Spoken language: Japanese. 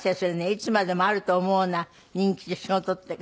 「いつまでもあると思うな人気と仕事」って。